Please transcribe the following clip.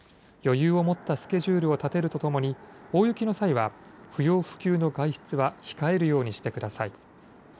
余裕を持ったスケジュールを立てるとともに大雪の際は不要不急の外出は控えるようにしてください。